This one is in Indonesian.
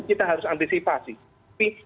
kita harus antisipasi tapi